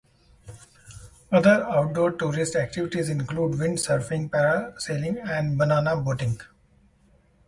Other outdoor tourist activities include wind surfing, parasailing, and banana boating.